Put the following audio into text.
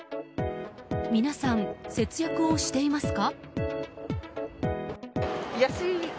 皆さん、節約をしていますか。